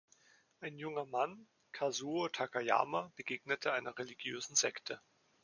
Ein junger Mann, Kazuo Takayama, begegnet einer religiösen Sekte.